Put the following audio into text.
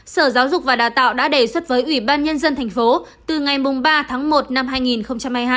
sở giáo dục và đào tạo đã đề xuất với ủy ban nhân dân thành phố từ ngày ba tháng một năm hai nghìn hai mươi hai